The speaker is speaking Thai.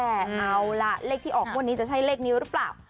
เอาล่ะเลขที่ออกงวดนี้จะใช่เลขนี้หรือเปล่า